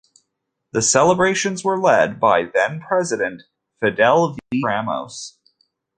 The celebrations were led by then President Fidel V. Ramos.